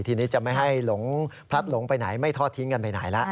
ทีนี้จะไม่ให้หลงพลัดหลงไปไหนไม่ทอดทิ้งกันไปไหนแล้ว